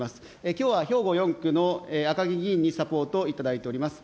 きょうは兵庫４区のあかぎ議員にサポートいただいております。